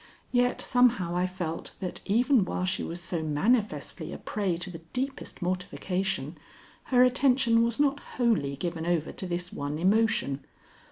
Yet somehow I felt that even while she was so manifestly a prey to the deepest mortification, her attention was not wholly given over to this one emotion.